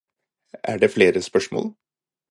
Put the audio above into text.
Er det flere spørsmål?